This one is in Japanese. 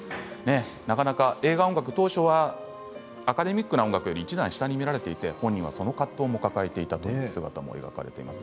なかなか映画音楽、当初はアカデミックな音楽より１段下に見られていて、本人はその葛藤を抱えていたという姿も描かれています。